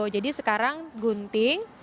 jadi sekarang gunting